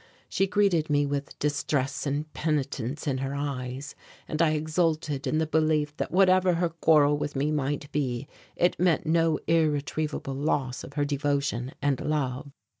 She greeted me with distress and penitence in her eyes and I exulted in the belief that whatever her quarrel with me might be it meant no irretrievable loss of her devotion and love.